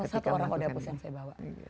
satu orang wadah pus yang saya bawa